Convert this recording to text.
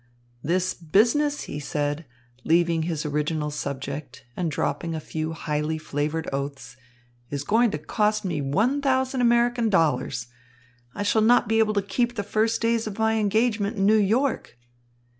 "This business," he said, leaving his original subject and dropping a few highly flavoured oaths, "is going to cost me one thousand American dollars. I shall not be able to keep the first days of my engagement in New York."